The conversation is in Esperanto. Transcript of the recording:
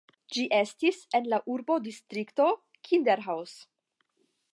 Ĝi estis en la urbodistrikto "Kinderhaus".